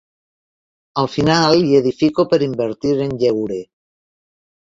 A final hi edifico per invertir en lleure.